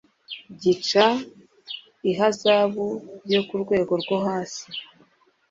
gica ihazabu yo ku rwego rwo hasi